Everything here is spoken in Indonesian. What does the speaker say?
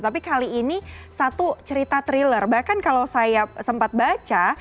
tapi kali ini satu cerita thriller bahkan kalau saya sempat baca